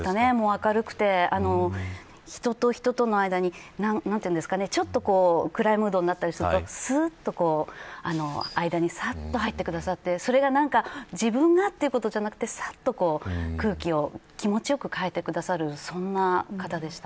明るくて人と人との間にちょっと暗いムードになったりすると間にさっと入ってくださって自分が、というのではなくて空気を気持ちよく変えてくださる方でした。